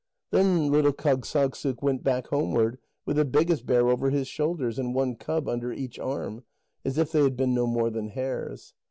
Then little Kâgssagssuk went back homeward with the biggest bear over his shoulders, and one cub under each arm, as if they had been no more than hares.